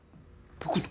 僕の？